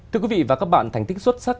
thưa quý vị và các bạn thành tích xuất sắc